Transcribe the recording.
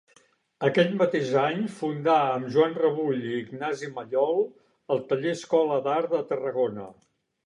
Aquell mateix any fundà amb Joan Rebull i Ignasi Mallol el Taller-Escola d'Art de Tarragona.